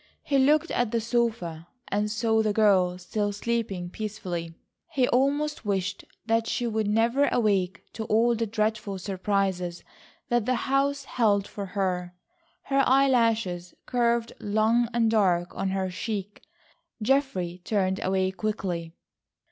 He looked at the sofa and saw the girl still sleeping peacefully. He almost wished that she would never awake to all the dreadful surprises that the house held for her. Her eye lashes curved long and dark on her cheek. Geoffrey turned away quickly.